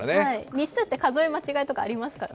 日数って数え間違いとかありますから。